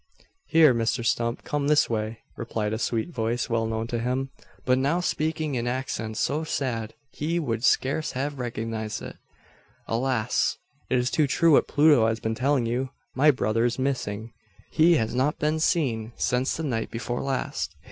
"Here, Mr Stump. Come this way!" replied a sweet voice well known to him, but now speaking in accents so sad he would scarce have recognised it. "Alas! it is too true what Pluto has been telling you. My brother is missing. He has not been seen since the night before last.